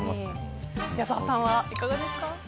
矢沢さんは、いかがですか。